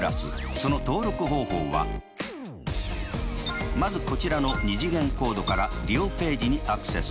その登録方法はまずこちらの２次元コードから利用ページにアクセス。